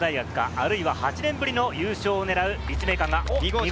あるいは８年ぶりの優勝を狙う立命館が。